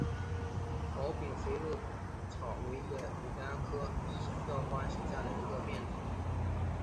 毛柄肥肉草为野牡丹科异药花属下的一个变种。